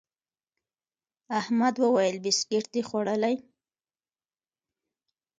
احمد وويل: بيسکیټ دي خوړلي؟